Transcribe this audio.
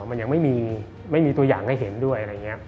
มันยังไม่มีตัวอย่างให้เห็นด้วย